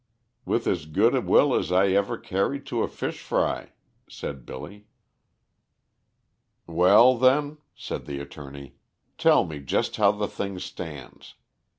"With as good a will as I ever carried to a fish fry," said Billy. "Well, then," said the attorney, "tell me just how the thing stands.